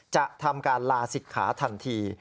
จะทำการลาศิกขาทันที